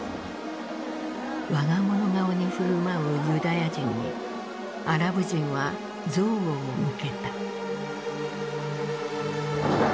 我が物顔に振る舞うユダヤ人にアラブ人は憎悪を向けた。